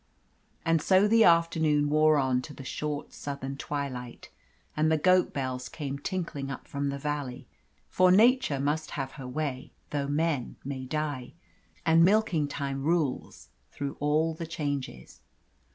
And so the afternoon wore on to the short southern twilight, and the goat bells came tinkling up from the valley for nature must have her way though men may die, and milking time rules through all the changes.